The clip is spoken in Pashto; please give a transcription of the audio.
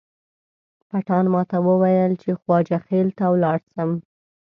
پټان ماته وویل چې خواجه خیل ته ولاړ شم.